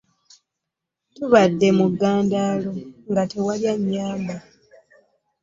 Tubadde mu ggandaalo nga tewali annyamba.